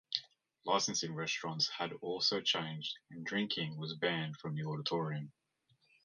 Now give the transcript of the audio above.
Licensing restrictions had also changed, and drinking was banned from the auditorium.